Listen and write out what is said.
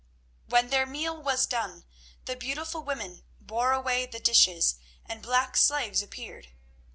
When their meal was done, the beautiful women bore away the dishes, and black slaves appeared.